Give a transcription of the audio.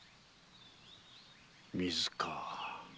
水か。